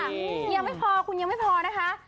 ยังไม่พอคุณยังไม่พอนะคะ